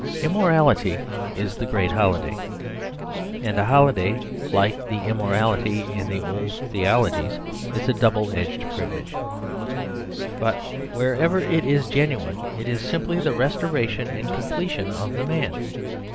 Immortality is the great holiday; and a holiday, like the immortality in the old theologies, is a double edged privilege. But wherever it is genuine it is simply the restoration and completion of the man.